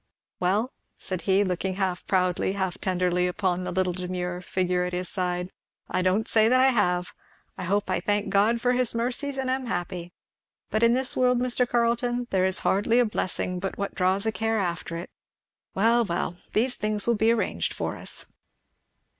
"Well," said he, looking half proudly, half tenderly, upon the little demure figure at his side, "I don't say that I have. I hope I thank God for his mercies, and am happy. But in this world, Mr. Carleton, there is hardly a blessing but what draws a care after it. Well well these things will all be arranged for us!"